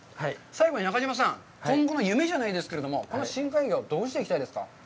最後に中島さん、今後の夢じゃないですけれども、この深海魚、どうしていきたいですか。